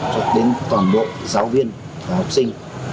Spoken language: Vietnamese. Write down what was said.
cho đến toàn bộ giáo viên và học sinh